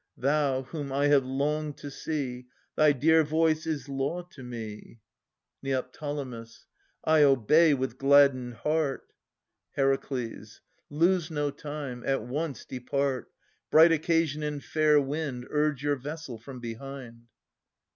Thou whom I have longed to see, Thy dear voice is law to me. Neo. / obey with gladdened heart. Her. Lose no time: at once depart! Bright occasion and fair wind Urge your vessel from behind.